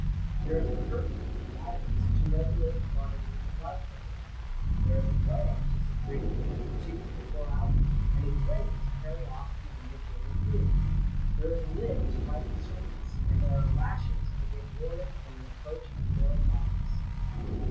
There is a curtain (the iris) to regulate the quantity of light admitted. There is a gland to secrete, a tube to pour out, and a drain to carry off the lubricating fluid. There is a lid to wipe the surface, and there are lashes to give warning on the approach of foreign bodies.